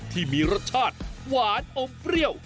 ที่มีรสชาติหวานอมเปรี้ยว